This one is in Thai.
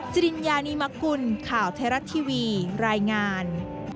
จริญญานีมกุลข่าวไทยรัฐทีวีรายงาน